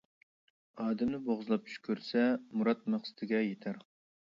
ئادەمنى بوغۇزلاپ چۈش كۆرسە، مۇراد مەقسىتىگە يېتەر.